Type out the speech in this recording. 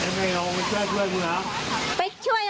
นิดหน่อย